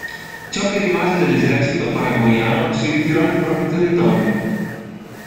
Ciò che rimase dell'esercito paraguaiano si ritirò nel proprio territorio.